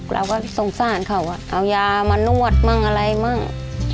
เราก็สงสารเขาเอายามานวดมั่งอะไรมั่ง